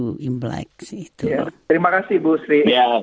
terima kasih bu sri